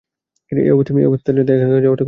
এই অবস্থায় ওর সাথে একা একা যাওয়াটা!